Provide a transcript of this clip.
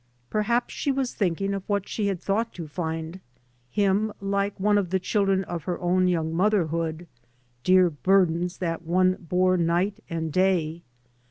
Perhaps she was thinking of what she had thought to find him, like one of the children of her own young motherhood, dear burdens that one bore ntg^t and day.